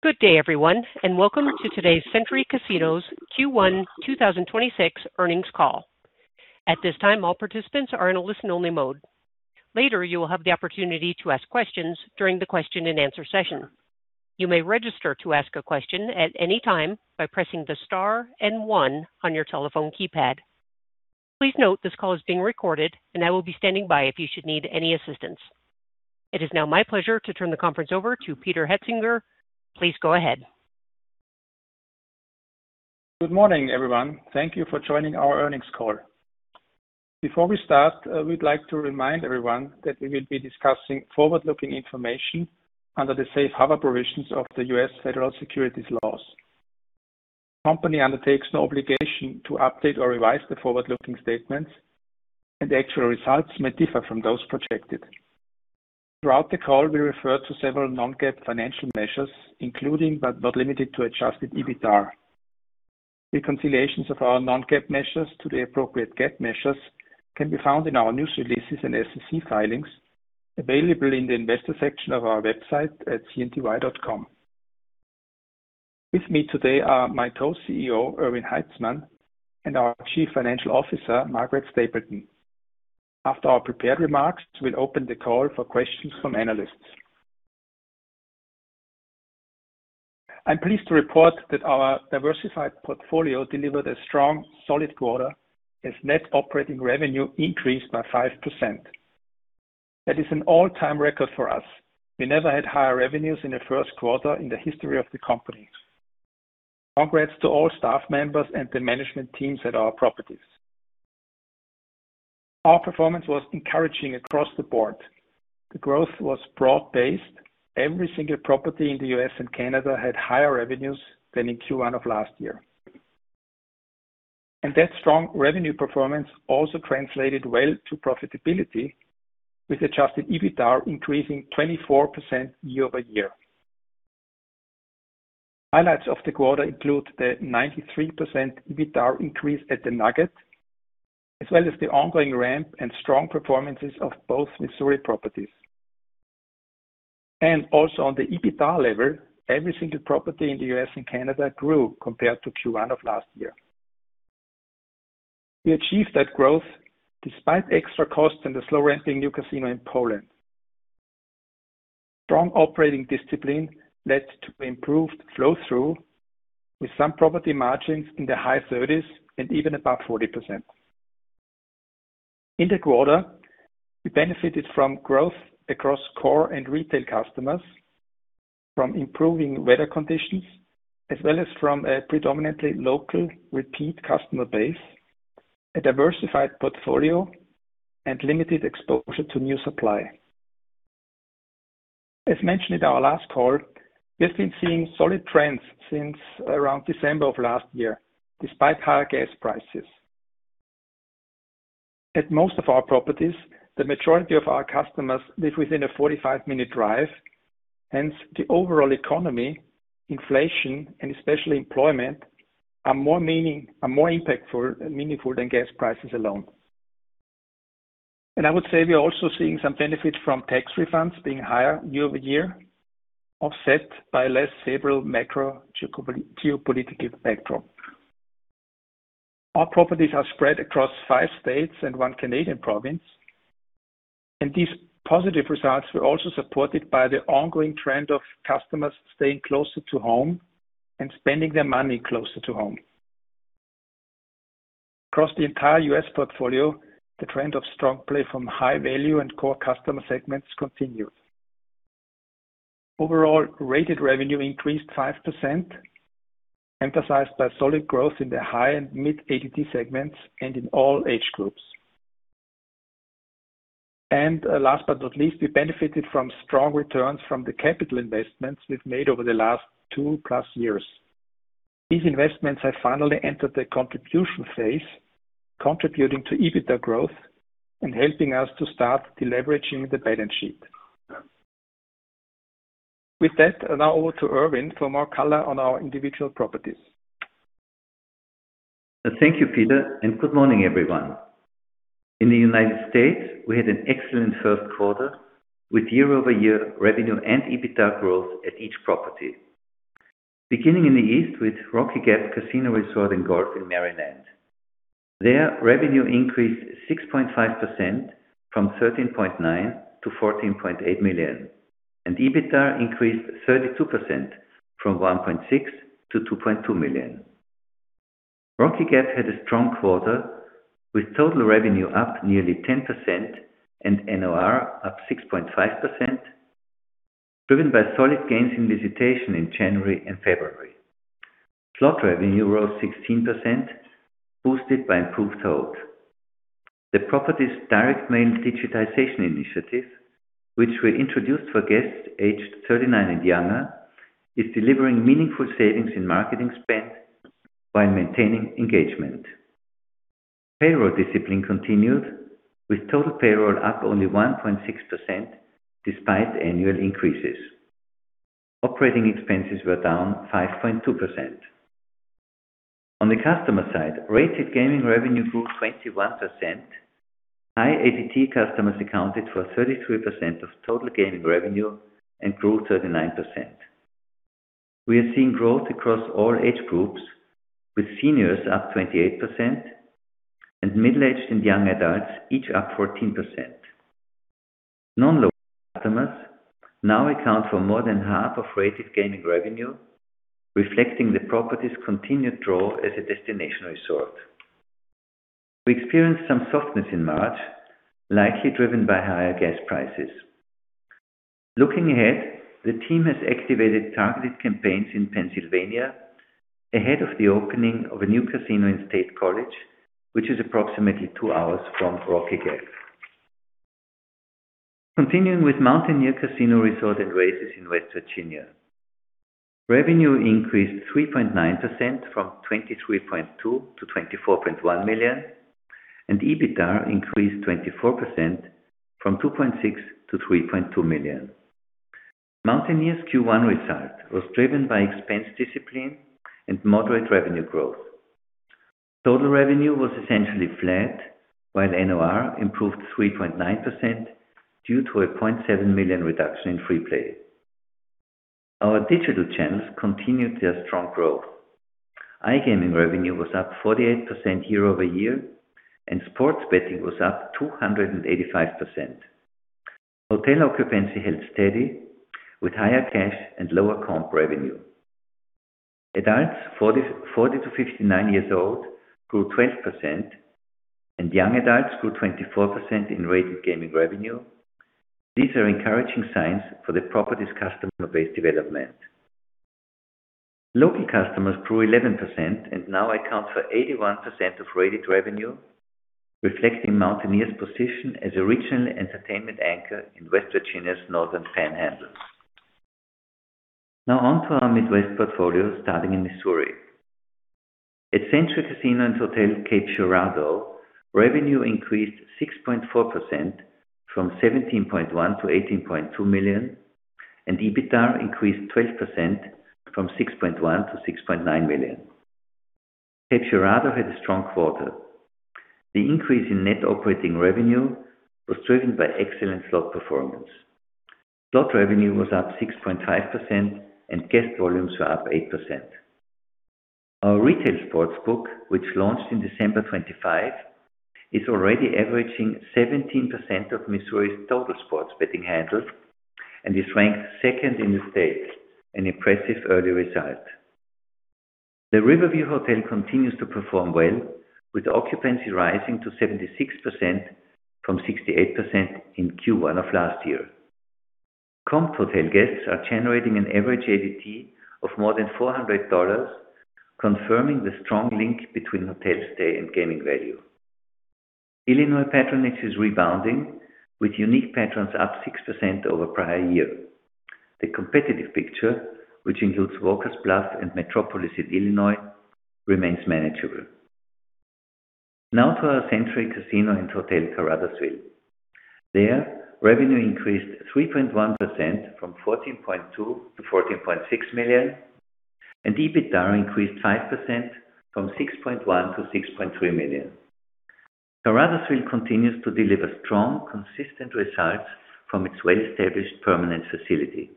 Good day, everyone, and welcome to today's Century Casinos Q1 2026 earnings call. At this time all participants are on listen only mode. Later you will have to opportunity to ask questions during the question-and-answer session. You may register to ask a question at any time by pressing the star and one on your telephone keypad. Please note that this call is being recorded and I will be standing by if you need any assistance. It is now my pleasure to turn the conference over to Peter Hoetzinger. Please go ahead. Good morning, everyone. Thank you for joining our earnings call. Before we start, we'd like to remind everyone that we will be discussing forward-looking information under the safe harbor provisions of the U.S. Federal Securities laws. The Company undertakes no obligation to update or revise the forward-looking statements, and actual results may differ from those projected. Throughout the call, we refer to several non-GAAP financial measures, including, but not limited to Adjusted EBITDAR. Reconciliations of our non-GAAP measures to the appropriate GAAP measures can be found in our news releases and SEC filings available in the investor section of our website at cnty.com. With me today are my Co-CEO, Erwin Haitzmann, and our Chief Financial Officer, Margaret Stapleton. After our prepared remarks, we'll open the call for questions from analysts. I'm pleased to report that our diversified portfolio delivered a strong, solid quarter as net operating revenue increased by 5%. That is an all-time record for us. We never had higher revenues in the first quarter in the history of the company. Congrats to all staff members and the management teams at our properties. Our performance was encouraging across the board. The growth was broad-based. Every single property in the U.S. and Canada had higher revenues than in Q1 of last year. That strong revenue performance also translated well to profitability, with Adjusted EBITDAR increasing 24% year-over-year. Highlights of the quarter include the 93% EBITDAR increase at the Nugget, as well as the ongoing ramp and strong performances of both Missouri properties. Also on the EBITDAR level, every single property in the U.S. and Canada grew compared to Q1 of last year. We achieved that growth despite extra costs and the slow ramping new casino in Poland. Strong operating discipline led to improved flow-through with some property margins in the high 30s and even above 40%. In the quarter, we benefited from growth across core and retail customers from improving weather conditions, as well as from a predominantly local repeat customer base, a diversified portfolio, and limited exposure to new supply. As mentioned in our last call, we have been seeing solid trends since around December of last year, despite higher gas prices. At most of our properties, the majority of our customers live within a 45-minute drive. Hence, the overall economy, inflation, and especially employment are more impactful and meaningful than gas prices alone. I would say we are also seeing some benefit from tax refunds being higher year-over-year, offset by less favorable macro geopolitical backdrop. Our properties are spread across five states and one Canadian province. These positive results were also supported by the ongoing trend of customers staying closer to home and spending their money closer to home. Across the entire U.S. portfolio, the trend of strong play from high-value and core customer segments continued. Overall, rated revenue increased 5%, emphasized by solid growth in the high and mid ADT segments and in all age groups. Last but not least, we benefited from strong returns from the capital investments we've made over the last 2+ years. These investments have finally entered the contribution phase, contributing to EBITDA growth and helping us to start deleveraging the balance sheet. With that, now over to Erwin for more color on our individual properties. Thank you, Peter. Good morning, everyone. In the U.S., we had an excellent first quarter with year-over-year revenue and EBITDAR growth at each property. Beginning in the east with Rocky Gap Casino, Resort & Golf in Maryland. There, revenue increased 6.5% from $13.9 million to $14.8 million, and EBITDAR increased 32% from $1.6 million to $2.2 million. Rocky Gap had a strong quarter with total revenue up nearly 10% and NOR up 6.5%, driven by solid gains in visitation in January and February. Slot revenue rose 16%, boosted by improved hold. The property's direct mail digitization initiative, which were introduced for guests aged 39 and younger, is delivering meaningful savings in marketing spend while maintaining engagement. Payroll discipline continued, with total payroll up only 1.6% despite annual increases. Operating expenses were down 5.2%. On the customer side, rated gaming revenue grew 21%. High ADT customers accounted for 33% of total gaming revenue and grew 39%. We are seeing growth across all age groups, with seniors up 28% and middle-aged and young adults each up 14%. Non-local customers now account for more than half of rated gaming revenue, reflecting the property's continued draw as a destination resort. We experienced some softness in March, likely driven by higher gas prices. Looking ahead, the team has activated targeted campaigns in Pennsylvania ahead of the opening of a new casino in State College, which is approximately two hours from Rocky Gap. Continuing with Mountaineer Casino, Resort & Races in West Virginia. Revenue increased 3.9% from $23.2 million to $24.1 million, and EBITDA increased 24% from $2.6 million to $3.2 million. Mountaineer's Q1 result was driven by expense discipline and moderate revenue growth. Total revenue was essentially flat, while NOR improved 3.9% due to a $0.7 million reduction in freeplay. Our digital channels continued their strong growth. iGaming revenue was up 48% year-over-year, and sports betting was up 285%. Hotel occupancy held steady with higher cash and lower comp revenue. Adults 40-59 years old grew 12%, and young adults grew 24% in rated gaming revenue. These are encouraging signs for the property's customer base development. Local customers grew 11% and now account for 81% of rated revenue, reflecting Mountaineer's position as a regional entertainment anchor in West Virginia's Northern Panhandle. On to our Midwest portfolio, starting in Missouri. At Century Casino & Hotel Cape Girardeau, revenue increased 6.4% from $17.1 million to $18.2 million, and EBITDA increased 12% from $6.1 million to $6.9 million. Cape Girardeau had a strong quarter. The increase in net operating revenue was driven by excellent slot performance. Slot revenue was up 6.5%, and guest volumes were up 8%. Our retail sportsbook, which launched in December 2025, is already averaging 17% of Missouri's total sports betting handle and is ranked second in the state, an impressive early result. The Riverview Hotel continues to perform well, with occupancy rising to 76% from 68% in Q1 of last year. Comp hotel guests are generating an average ADT of more than $400, confirming the strong link between hotel stay and gaming value. Illinois patronage is rebounding, with unique patrons up 6% over prior year. The competitive picture, which includes Walker's Bluff and Metropolis in Illinois, remains manageable. Now to our Century Casino & Hotel Caruthersville. There, revenue increased 3.1% from $14.2 million to $14.6 million, and EBITDA increased 5% from $6.1 million to $6.3 million. Caruthersville continues to deliver strong, consistent results from its well-established permanent facility.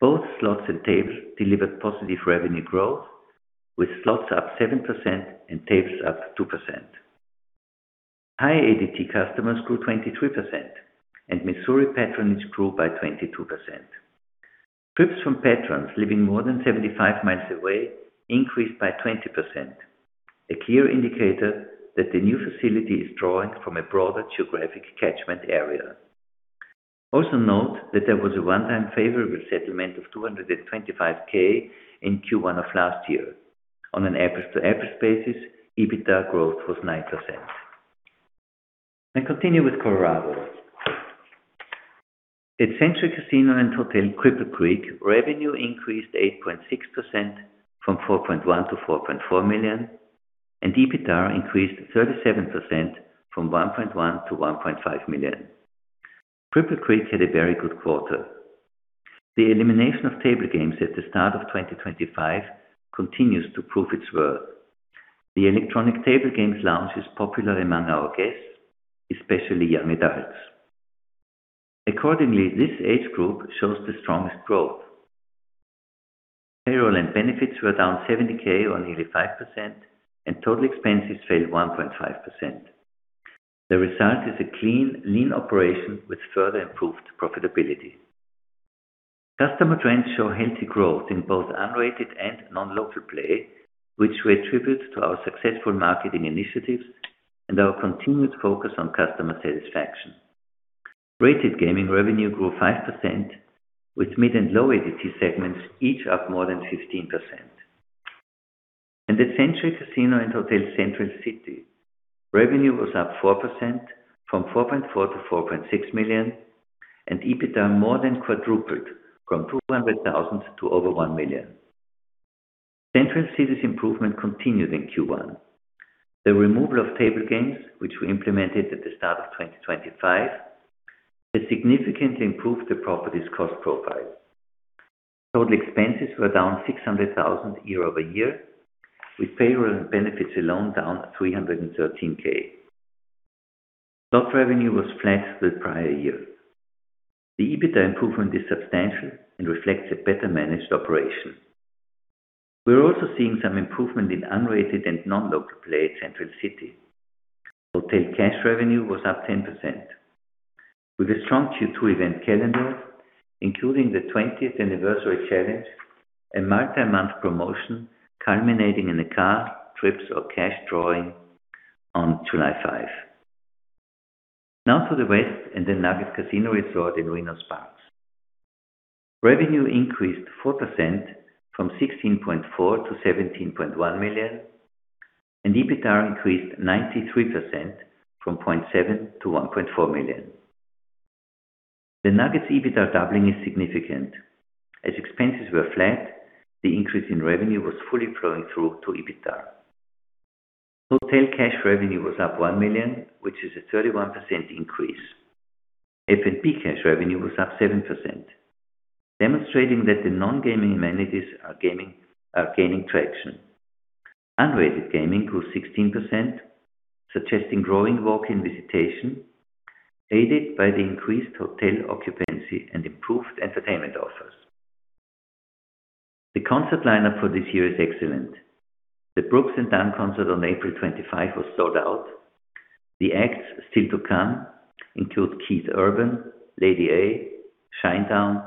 Both slots and tables delivered positive revenue growth, with slots up 7% and tables up 2%. High ADT customers grew 23%, and Missouri patronage grew by 22%. Trips from patrons living more than 75 mi away increased by 20%, a clear indicator that the new facility is drawing from a broader geographic catchment area. Also note that there was a one-time favorable settlement of $225,000 in Q1 of last year. On an apples-to-apples basis, EBITDA growth was 9%. I continue with Colorado. At Century Casino & Hotel Cripple Creek, revenue increased 8.6% from $4.1 million to $4.4 million, and EBITDA increased 37% from $1.1 million to $1.5 million. Cripple Creek had a very good quarter. The elimination of table games at the start of 2025 continues to prove its worth. The electronic table games lounge is popular among our guests, especially young adults. Accordingly, this age group shows the strongest growth. Payroll and benefits were down $70,000 on nearly 5%, total expenses failed 1.5%. The result is a clean, lean operation which further improved profitability. Customer trends show healthy growth in both unrated and non-local play, which we attribute to our successful marketing initiatives and our continued focus on customer satisfaction. Rated gaming revenue grew 5%, with mid and low ADT segments each up more than 15%. At Century Casino & Hotel Central City, revenue was up 4% from $4.4 million to $4.6 million, EBITDA more than quadrupled from $200,000 to over $1 million. Central City's improvement continued in Q1. The removal of table games, which we implemented at the start of 2025, has significantly improved the property's cost profile. Total expenses were down $600,000 year-over-year, with payroll and benefits alone down $313K. Slot revenue was flat to the prior year. The EBITDA improvement is substantial and reflects a better managed operation. We're also seeing some improvement in unrated and non-local play at Central City. Hotel cash revenue was up 10%, with a strong Q2 event calendar, including the 20th anniversary challenge, a multi-month promotion culminating in a car, trips or cash drawing on July 5. To the West and the Nugget Casino Resort in Reno, Sparks. Revenue increased 4% from $16.4 million to $17.1 million, and EBITDA increased 93% from $0.7 million to $1.4 million. The Nugget's EBITDA doubling is significant. Expenses were flat, the increase in revenue was fully flowing through to EBITDA. Hotel cash revenue was up $1 million, which is a 31% increase. F&B cash revenue was up 7%, demonstrating that the non-gaming amenities are gaining traction. Unrated gaming grew 16%, suggesting growing walk-in visitation, aided by the increased hotel occupancy and improved entertainment offers. The concert lineup for this year is excellent. The Brooks & Dunn concert on April 25 was sold out. The acts still to come include Keith Urban, Lady A, Shinedown,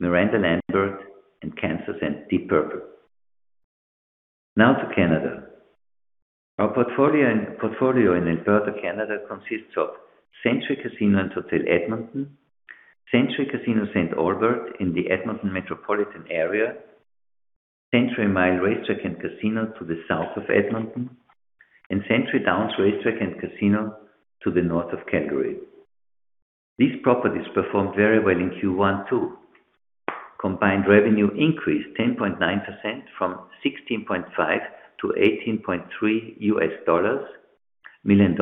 Miranda Lambert, and Kansas, and Deep Purple. Now to Canada. Our portfolio in Alberta, Canada consists of Century Casino and Hotel Edmonton, Century Casino St. Albert in the Edmonton Metropolitan area, Century Mile Racetrack and Casino to the south of Edmonton, and Century Downs Racetrack and Casino to the north of Calgary. These properties performed very well in Q1 too. Combined revenue increased 10.9% from $16.5 million to $18.3 million,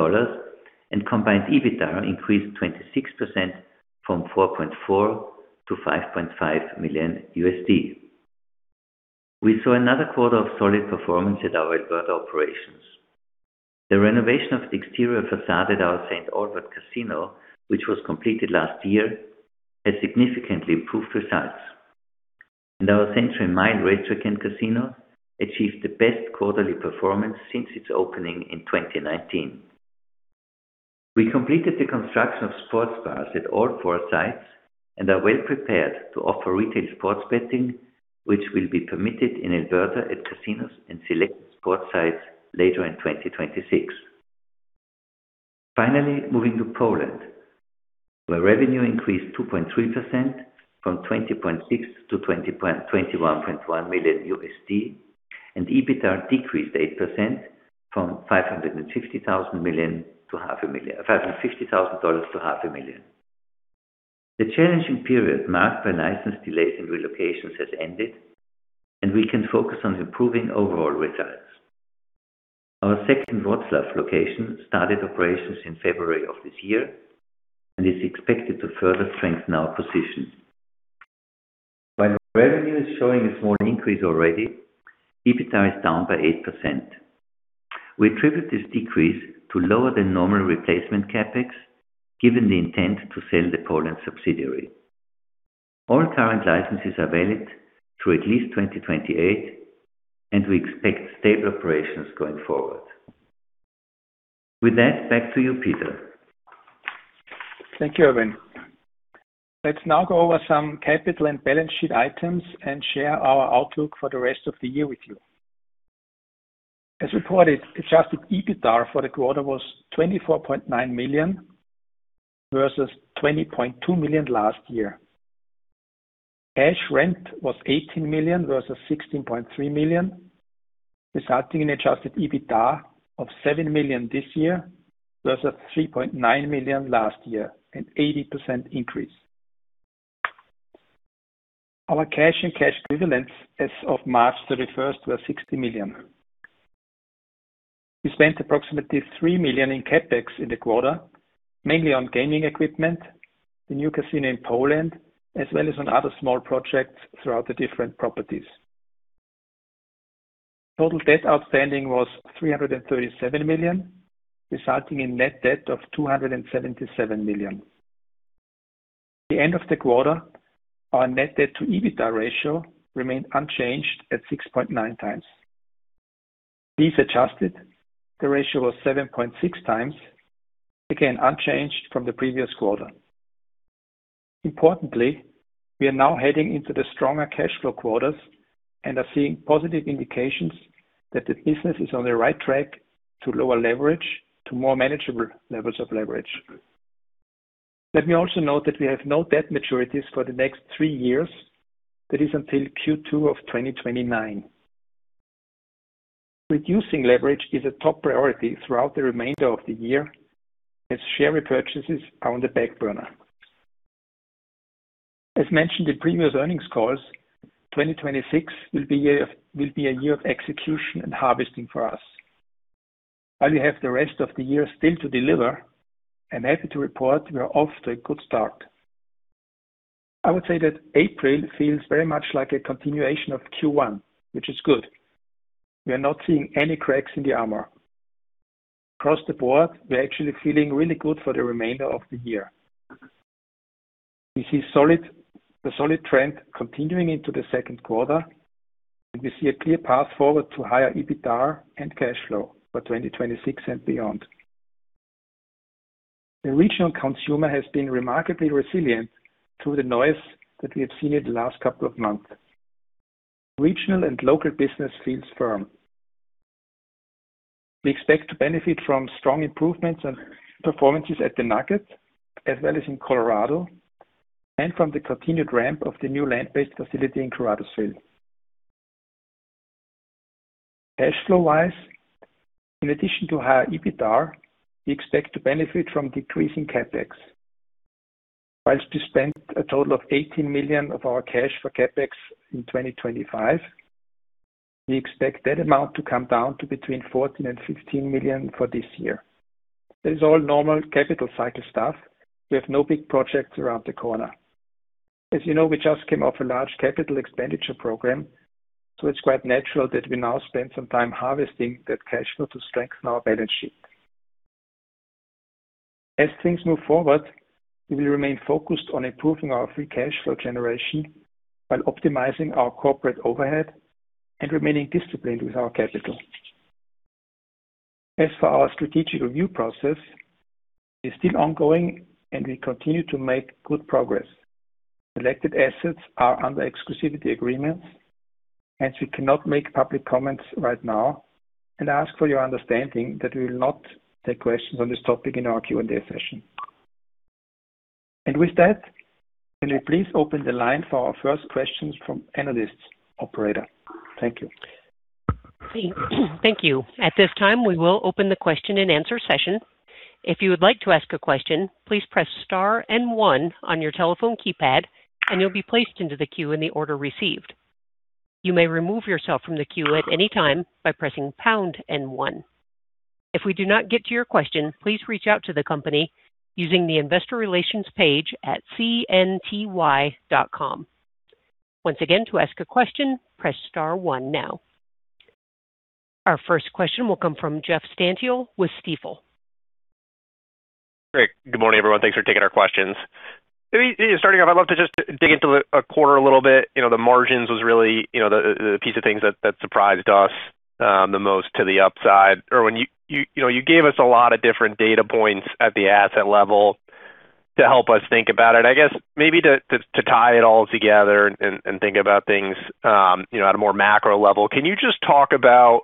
and combined EBITDA increased 26% from $4.4 million to $5.5 million. We saw another quarter of solid performance at our Alberta operations. The renovation of the exterior façade at our St. Albert Casino, which was completed last year, has significantly improved results. Our Century Mile Racetrack and Casino achieved the best quarterly performance since its opening in 2019. We completed the construction of sports bars at all four sites and are well-prepared to offer retail sports betting, which will be permitted in Alberta at casinos and selected sports sites later in 2026. Finally, moving to Poland, where revenue increased 2.3% from $20.6 million to $21.1 million, and EBITDA decreased 8% from $550,000 to $500,000. The challenging period marked by license delays and relocations has ended, and we can focus on improving overall results. Our second Wroclaw location started operations in February of this year and is expected to further strengthen our position. While revenue is showing a small increase already, EBITDA is down by 8%. We attribute this decrease to lower than normal replacement CapEx, given the intent to sell the Poland subsidiary. All current licenses are valid through at least 2028, and we expect stable operations going forward. With that, back to you, Peter. Thank you, Erwin. Let's now go over some capital and balance sheet items and share our outlook for the rest of the year with you. As reported, adjusted EBITDA for the quarter was $24.9 million versus $20.2 million last year. Cash rent was $18 million versus $16.3 million, resulting in adjusted EBITDA of $7 million this year versus $3.9 million last year, an 80% increase. Our cash and cash equivalents as of March 31st were $60 million. We spent approximately $3 million in CapEx in the quarter, mainly on gaming equipment, the new casino in Poland, as well as on other small projects throughout the different properties. Total debt outstanding was $337 million, resulting in net debt of $277 million. At the end of the quarter, our net debt to EBITDA ratio remained unchanged at 6.9 times. Lease-adjusted, the ratio was 7.6 times, again, unchanged from the previous quarter. Importantly, we are now heading into the stronger cash flow quarters and are seeing positive indications that the business is on the right track to lower leverage to more manageable levels of leverage. Let me also note that we have no debt maturities for the next three years. That is until Q2 of 2029. Reducing leverage is a top priority throughout the remainder of the year, as share repurchases are on the back burner. As mentioned in previous earnings calls, 2026 will be a year of execution and harvesting for us. While we have the rest of the year still to deliver, I'm happy to report we are off to a good start. I would say that April feels very much like a continuation of Q1, which is good. We are not seeing any cracks in the armor. Across the board, we're actually feeling really good for the remainder of the year. We see the solid trend continuing into the second quarter, and we see a clear path forward to higher EBITDA and cash flow for 2026 and beyond. The regional consumer has been remarkably resilient through the noise that we have seen in the last couple of months. Regional and local business feels firm. We expect to benefit from strong improvements and performances at the Nugget as well as in Colorado, and from the continued ramp of the new land-based facility in Colorado Springs. Cash flow-wise, in addition to higher EBITDAR, we expect to benefit from decreasing CapEx. Whilst we spent a total of $18 million of our cash for CapEx in 2025, we expect that amount to come down to between $14 million and $15 million for this year. That is all normal capital cycle stuff. We have no big projects around the corner. As you know, we just came off a large capital expenditure program, so it's quite natural that we now spend some time harvesting that cash flow to strengthen our balance sheet. As things move forward, we will remain focused on improving our free cash flow generation while optimizing our corporate overhead and remaining disciplined with our capital. As for our strategic review process, it's still ongoing, and we continue to make good progress. Selected assets are under exclusivity agreements. We cannot make public comments right now and ask for your understanding that we will not take questions on this topic in our Q&A session. With that, can we please open the line for our first questions from analysts, operator? Thank you. Thank you. At this time, we will open the question-and-answer session. If you would like to ask a question please press star and one on your telephone keypad and you will be placed into the Q&A order receipt. You may remove yourself from the queue at any time by pressing pound and one. If we do not get to your question, please reach out to the company using the investor relations page at cnty.com. Once again to ask a question press star one now. Our first question will come from Jeff Stantial with Stifel. Great. Good morning, everyone. Thanks for taking our questions. Starting off, I'd love to just dig into a quarter a little bit. You know, the margins was really, you know, the piece of things that surprised us, the most to the upside. Erwin, you know, you gave us a lot of different data points at the asset level to help us think about it. I guess maybe to tie it all together and think about things, you know, at a more macro level, can you just talk about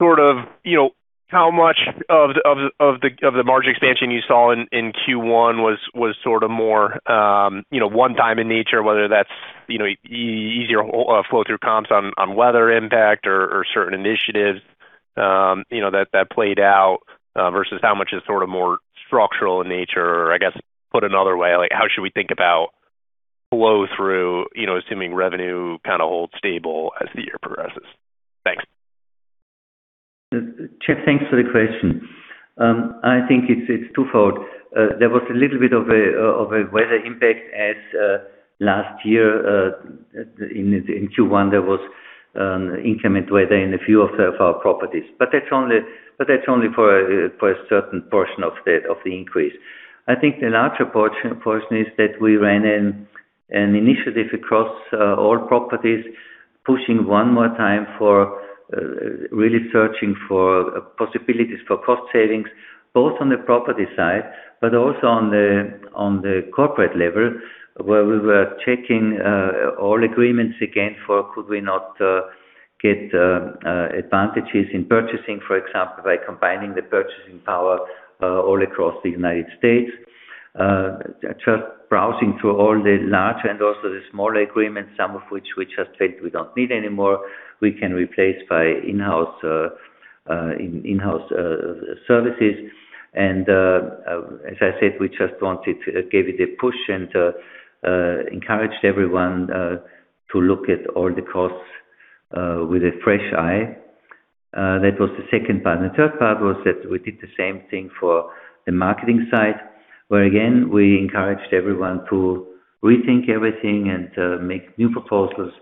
sort of, you know, how much of the margin expansion you saw in Q1 was sort of more, you know, one time in nature, whether that's, you know, easier flow through comps on weather impact or certain initiatives, you know, that played out versus how much is sort of more structural in nature? I guess, put another way, like, how should we think about flow through, you know, assuming revenue kind of holds stable as the year progresses? Thanks. Jeff, thanks for the question. I think it's twofold. There was a little bit of a weather impact as last year, in Q1, there was inclement weather in a few of our properties. That's only for a certain portion of that, of the increase. I think the larger portion is that we ran an initiative across all properties, pushing one more time for really searching for possibilities for cost savings, both on the property side, but also on the corporate level, where we were checking all agreements again for could we not get advantages in purchasing, for example, by combining the purchasing power all across the United States. Just browsing through all the large and also the smaller agreements, some of which we just felt we don't need anymore, we can replace by in-house, in-house services. As I said, we just wanted to give it a push and encouraged everyone to look at all the costs with a fresh eye. That was the second part. The third part was that we did the same thing for the marketing side, where, again, we encouraged everyone to rethink everything and make new proposals,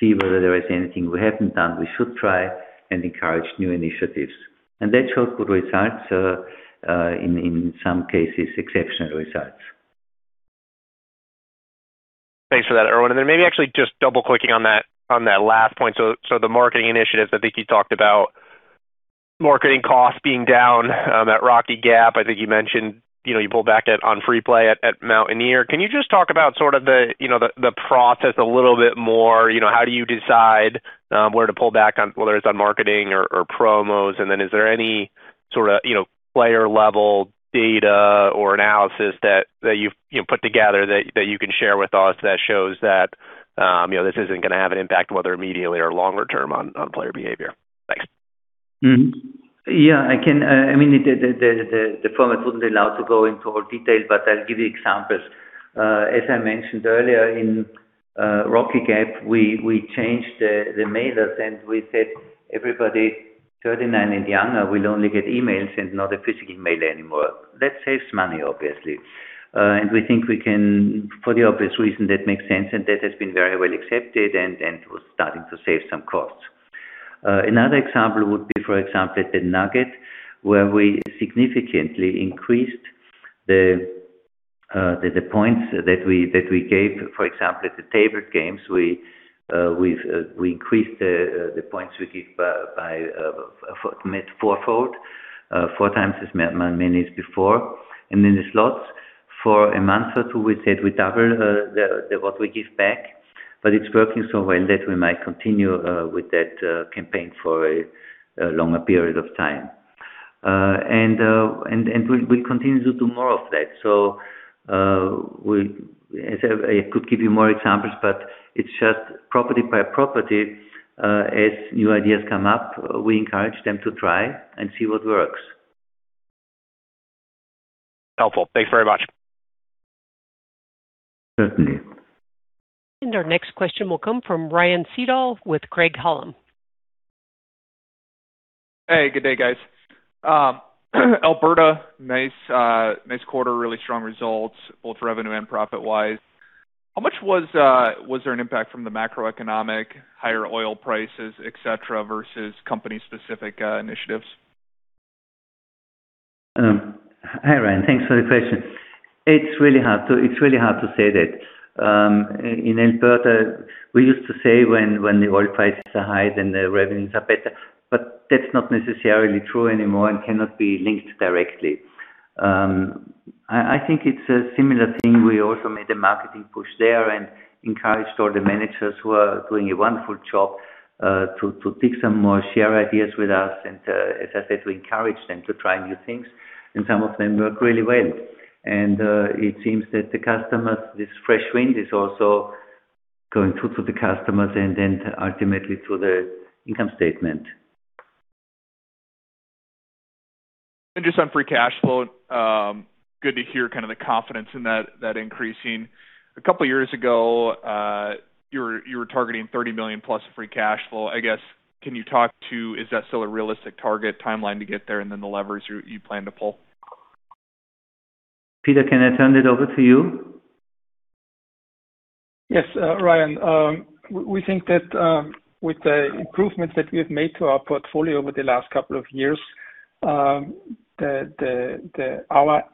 see whether there is anything we haven't done we should try, and encourage new initiatives. That showed good results, in some cases, exceptional results. Thanks for that, Erwin. Then maybe actually just double-clicking on that last point. The marketing initiatives, I think you talked about marketing costs being down at Rocky Gap. I think you mentioned, you know, you pulled back on Free Play at Mountaineer. Can you just talk about sort of the, you know, the process a little bit more? You know, how do you decide where to pull back on, whether it's on marketing or promos? Then is there any sort of, you know, player-level data or analysis that you've, you know, put together that you can share with us that shows that, you know, this isn't gonna have an impact, whether immediately or longer term on player behavior? Mm-hmm. Yeah, I can, I mean, the format wouldn't allow to go into all detail, but I'll give you examples. As I mentioned earlier, in Rocky Gap, we changed the mailers, and we said everybody 39 and younger will only get emails and not a physical mailer anymore. That saves money, obviously. And we think we can, for the obvious reason, that makes sense, and that has been very well accepted and we're starting to save some costs. Another example would be, for example, at the Nugget, where we significantly increased the points that we gave, for example, at the table games, we've increased the points we give by four-fold, four times as many as before. In the slots for a month or two, we said we double the what we give back, but it's working so well that we might continue with that campaign for a longer period of time. We continue to do more of that. I could give you more examples, but it's just property by property, as new ideas come up, we encourage them to try and see what works. Helpful. Thanks very much. Certainly. Our next question will come from Ryan Sigdahl with Craig-Hallum. Hey, good day, guys. Alberta, nice quarter, really strong results, both revenue and profit-wise. How much was there an impact from the macroeconomic, higher oil prices, et cetera, versus company-specific initiatives? Hi, Ryan. Thanks for the question. It's really hard to say that. In Alberta, we used to say when the oil prices are high, then the revenues are better, that's not necessarily true anymore and cannot be linked directly. I think it's a similar thing. We also made a marketing push there and encouraged all the managers who are doing a wonderful job, to think some more, share ideas with us, as I said, we encourage them to try new things, some of them work really well. It seems that the customers, this fresh wind is also going through to the customers then ultimately to the income statement. Just on free cash flow, good to hear kind of the confidence in that increasing. A couple of years ago, you were targeting $30+ million free cash flow. I guess, can you talk to, is that still a realistic target timeline to get there, and then the levers you plan to pull? Peter, can I turn it over to you? Yes, Ryan. We think that with the improvements that we have made to our portfolio over the last couple of years, the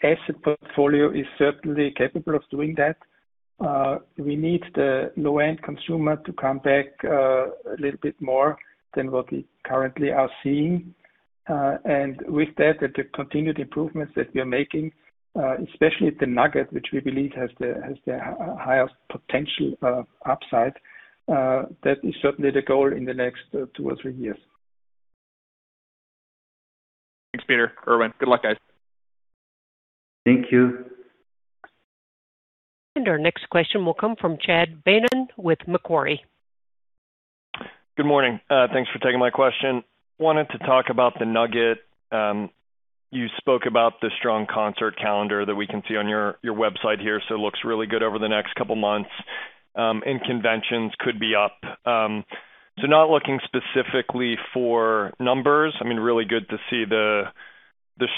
asset portfolio is certainly capable of doing that. We need the low-end consumer to come back a little bit more than what we currently are seeing. With that, the continued improvements that we are making, especially at the Nugget, which we believe has the higher potential upside, that is certainly the goal in the next two or three years. Thanks, Peter, Erwin. Good luck, guys. Thank you. Our next question will come from Chad Beynon with Macquarie. Good morning. Thanks for taking my question. Wanted to talk about the Nugget. You spoke about the strong concert calendar that we can see on your website here, so it looks really good over the next couple of months. Conventions could be up. Not looking specifically for numbers. I mean, really good to see the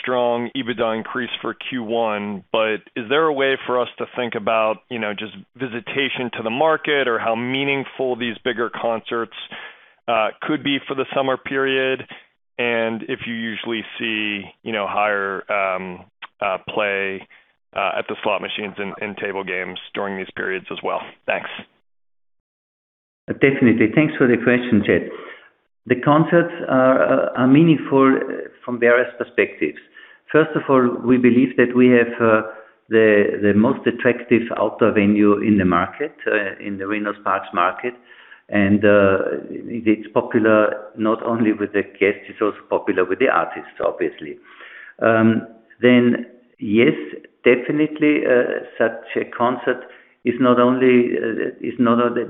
strong EBITDA increase for Q1. Is there a way for us to think about, you know, just visitation to the market or how meaningful these bigger concerts could be for the summer period? If you usually see, you know, higher play at the slot machines and table games during these periods as well. Thanks. Definitely. Thanks for the question, Chad. The concerts are meaningful from various perspectives. First of all, we believe that we have the most attractive outdoor venue in the market, in the Reno-Sparks market. It's popular not only with the guests, it's also popular with the artists, obviously. Yes, definitely, the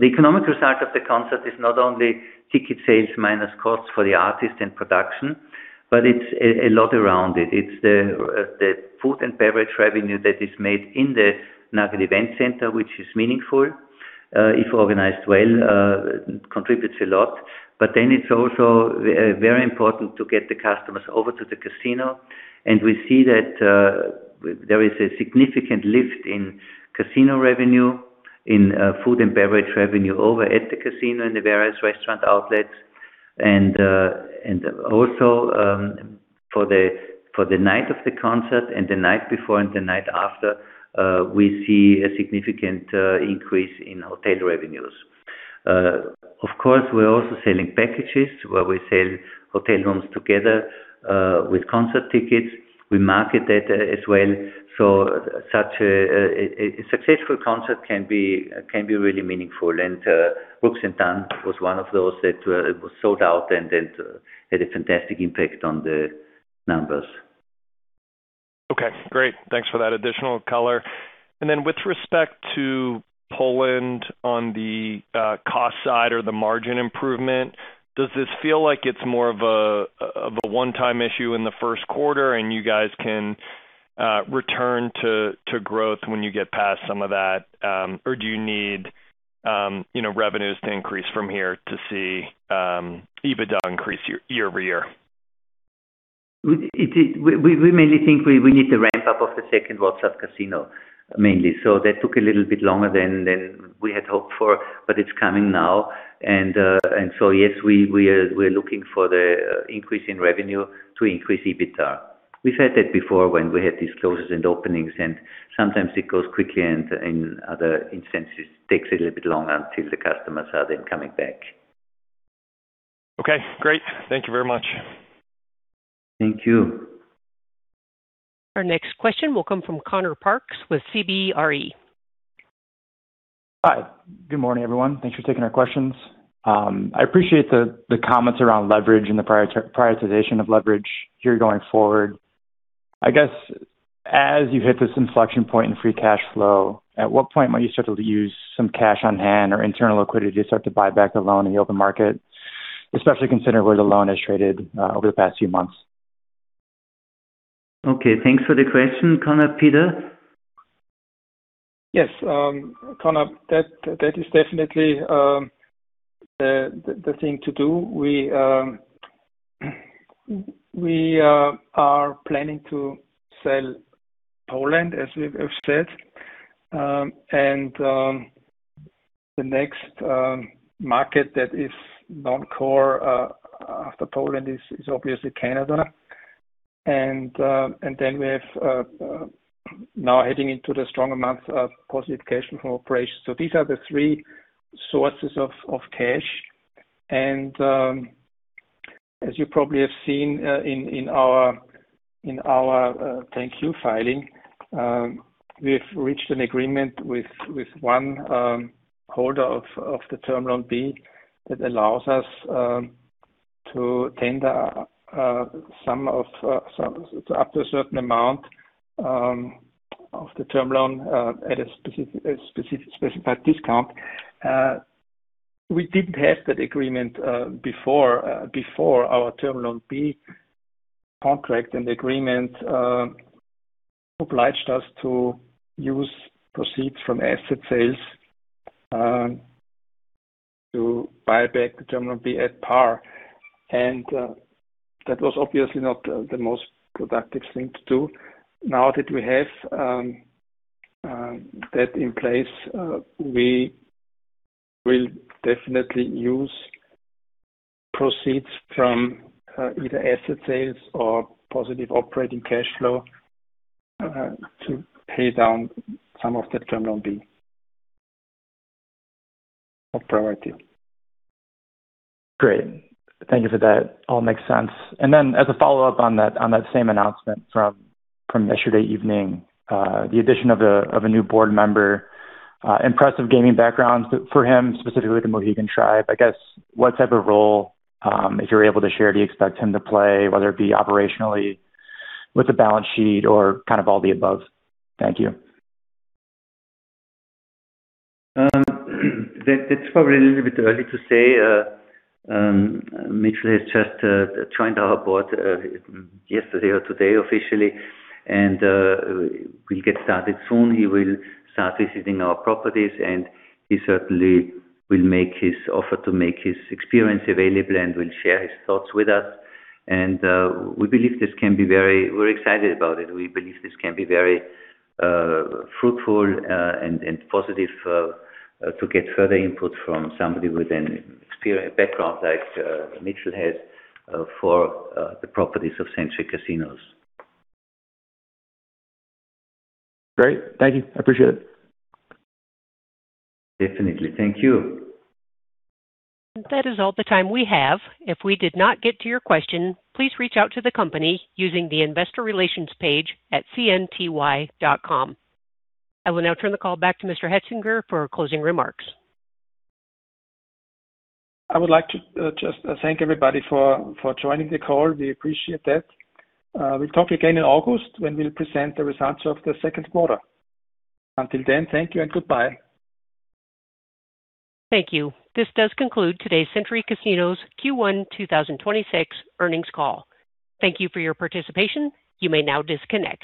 economical side of the concert is not only ticket sales minus costs for the artist and production, but it's a lot around it. It's the food and beverage revenue that is made in the Nugget Event Center, which is meaningful, if organized well, contributes a lot. It's also very important to get the customers over to the casino. We see that there is a significant lift in casino revenue, in food and beverage revenue over at the casino in the various restaurant outlets. Also, for the night of the concert and the night before and the night after, we see a significant increase in hotel revenues. Of course, we're also selling packages where we sell hotel rooms together with concert tickets. We market that as well. Such a successful concert can be really meaningful. Brooks & Dunn was one of those that it was sold out and had a fantastic impact on the numbers. Okay, great. Thanks for that additional color. With respect to Poland on the cost side or the margin improvement, does this feel like it's more of a one-time issue in the first quarter and you guys can return to growth when you get past some of that? Or do you need, you know, revenues to increase from here to see EBITDA increase year-over-year? We mainly think we need the ramp up of the second Warsaw casino mainly. That took a little bit longer than we had hoped for, but it's coming now. Yes, we are looking for the increase in revenue to increase EBITDA. We've had that before when we had these closures and openings, sometimes it goes quickly and other instances takes a little bit longer until the customers are then coming back. Okay, great. Thank you very much. Thank you. Our next question will come from Connor Parks with CBRE. Hi. Good morning, everyone. Thanks for taking our questions. I appreciate the comments around leverage and the prioritization of leverage here going forward. I guess, as you hit this inflection point in free cash flow, at what point might you start to use some cash on hand or internal liquidity to start to buy back the loan in the open market, especially considering where the loan has traded over the past few months? Okay, thanks for the question, Connor. Peter? Yes. Connor, that is definitely the thing to do. We are planning to sell Poland, as we've said. The next market that is non-core after Poland is obviously Canada. We have now heading into the stronger months of positive cash from operations. These are the three sources of cash. As you probably have seen in our 10-Q filing, we have reached an agreement with one holder of the Term Loan B that allows us to tender some of up to a certain amount of the Term Loan at a specified discount. We didn't have that agreement before before our Term Loan B contract and the agreement obliged us to use proceeds from asset sales to buy back the Term Loan B at par. That was obviously not the most productive thing to do. Now that we have that in place, we will definitely use proceeds from either asset sales or positive operating cash flow to pay down some of that Term Loan B. A priority. Great. Thank you for that. All makes sense. As a follow-up on that, on that same announcement from yesterday evening, the addition of a, of a new board member, impressive gaming background for him, specifically the Mohegan Tribe. I guess, what type of role, if you're able to share, do you expect him to play, whether it be operationally with the balance sheet or kind of all the above? Thank you. That's probably a little bit early to say. Mitchell has just joined our board yesterday or today officially, we'll get started soon. He will start visiting our properties, and he certainly will make his offer to make his experience available and will share his thoughts with us. We're excited about it. We believe this can be very fruitful and positive to get further input from somebody with an experience, background like Mitchell has, for the properties of Century Casinos. Great. Thank you. I appreciate it. Definitely. Thank you. That is all the time we have. If we did not get to your question, please reach out to the company using the investor relations page at cnty.com. I will now turn the call back to Mr. Hoetzinger for closing remarks. I would like to just thank everybody for joining the call. We appreciate that. We'll talk again in August when we'll present the results of the second quarter. Until then, thank you and goodbye. Thank you. This does conclude today's Century Casinos Q1 2026 earnings call. Thank you for your participation. You may now disconnect.